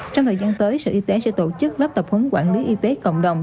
trong thời gian tới sở y tế sẽ tổ chức lớp tập huấn quản lý y tế cộng đồng